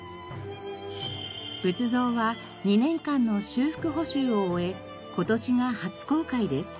仏像は２年間の修復補修を終え今年が初公開です。